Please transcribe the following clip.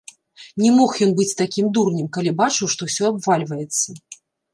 Не мог ён быць такім дурнем, калі бачыў, што ўсё абвальваецца.